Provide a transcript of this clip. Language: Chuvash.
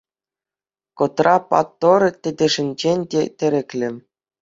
Кӑтра-паттӑр тетӗшӗнчен те тӗреклӗ.